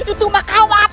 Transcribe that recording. itu mah gawat